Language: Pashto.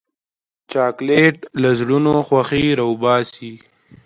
چاکلېټ له زړونو خوښي راوباسي.